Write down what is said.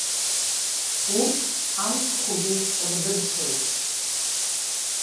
Урҭ амцхәгьы рдырцәоит.